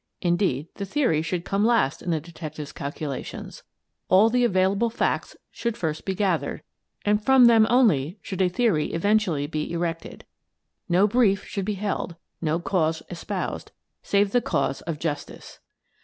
Indeed, the theory should come last in the detective's calculations. All the'tayailable facts should be first gathered, and from them only should a theory eventually be erected. No brief should be held, no cause espoused, save the cause of justice.